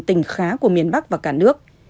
tỉnh khá của miền bắc và cả nước